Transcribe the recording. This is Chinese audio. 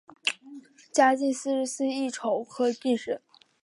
嘉靖四十四年乙丑科进士。